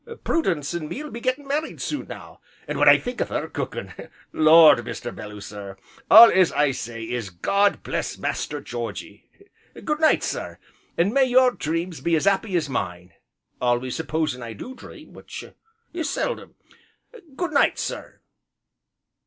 Prudence an' me'll be gettin' married soon now, an' when I think of her cookin' Lord, Mr. Belloo sir! All as I say is God bless Master Georgy! Good night, sir! an' may your dreams be as 'appy as mine, always supposin' I do dream, which is seldom. Good night, sir!"